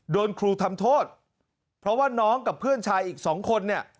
โดนครูทำโทษเพราะว่าน้องกับเพื่อนชายอีกสองคนเนี่ย